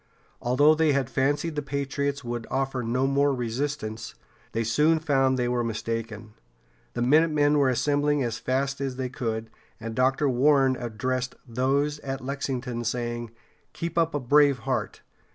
Although they had fancied the patriots would offer no more resistance, they soon found they were mistaken. The minutemen were assembling as fast as they could, and Dr. Warren addressed those at Lexington, saying: "Keep up a brave heart.